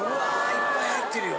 いっぱい入ってるよ。